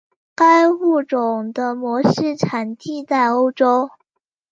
该物种的模式产地在欧洲。